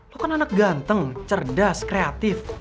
lo kan anak ganteng cerdas kreatif